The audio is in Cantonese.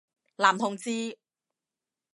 男同志？